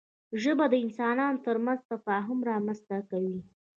ژبه د انسانانو ترمنځ تفاهم رامنځته کوي